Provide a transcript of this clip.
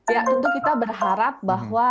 ya tentu kita berharap bahwa